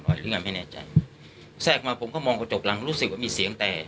หรือไงไม่แน่ใจแทรกมาผมก็มองกระจกหลังรู้สึกว่ามีเสียงแต่